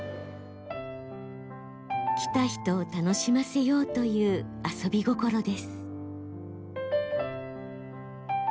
来た人を楽しませようという遊び心です。